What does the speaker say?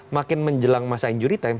makin menjelang masa injury time